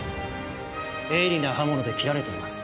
鋭利な刃物で切られています。